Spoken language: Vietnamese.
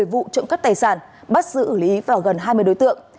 một mươi vụ trộm cấp tài sản bắt giữ lý vào gần hai mươi đối tượng